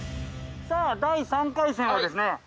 さあ第３回戦はですね